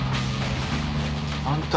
あんた。